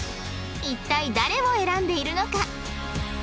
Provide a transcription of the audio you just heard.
一体誰を選んでいるのか？